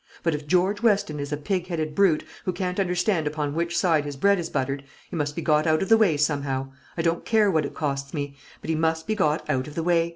But if George Weston is a pig headed brute, who can't understand upon which side his bread is buttered, he must be got out of the way somehow. I don't care what it costs me; but he must be got out of the way.